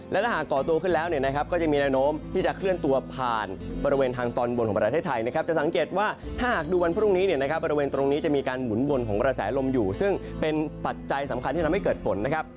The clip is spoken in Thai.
และถ้าหากก่อตัวขึ้นแล้วเนี่ยนะครับก็จะมีแนวโน้มที่จะเคลื่อนตัวผ่านบริเวณทางตอนบนของประเทศไทยนะครับจะสังเกตว่าถ้าหากดูวันพรุ่งนี้เนี่ยนะครับบริเวณตรงนี้จะมีการหมุนวนของกระแสลมอยู่ซึ่งเป็นปัจจัยสำคัญที่ทำให้เกิดฝนนะครับ